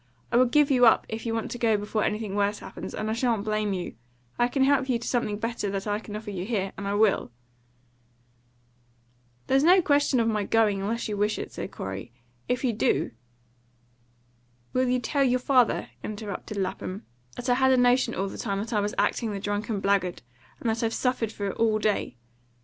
I will give you up if you want to go before anything worse happens, and I shan't blame you. I can help you to something better than I can offer you here, and I will." "There's no question of my going, unless you wish it," said Corey. "If you do " "Will you tell your father," interrupted Lapham, "that I had a notion all the time that I was acting the drunken blackguard, and that I've suffered for it all day?